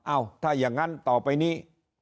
เอ้าถ้าอย่างนั้นต่อไปนี้